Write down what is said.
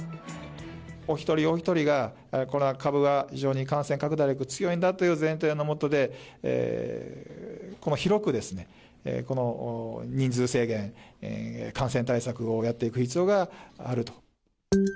お一人お一人がこの株は非常に感染拡大力が強いんだという前提のもとで、広く、人数制限、感染対策をやっていく必要があると。